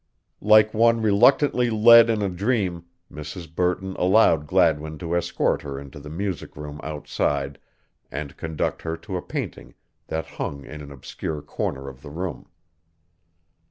Like one reluctantly led in a dream, Mrs. Burton allowed Gladwin to escort her into the music room outside and conduct her to a painting that hung in an obscure corner of the room.